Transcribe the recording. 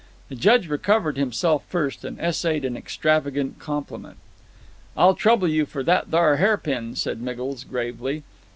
The Judge recovered himself first, and essayed an extravagant compliment. "I'll trouble you for that thar harpin," said Miggles, gravely.